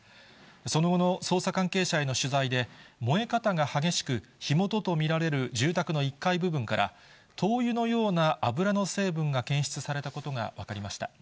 その後の捜査関係者への取材で、燃え方が激しく、火元と見られる住宅の１階部分から、灯油のような油の成分が検出されたことが分かりました。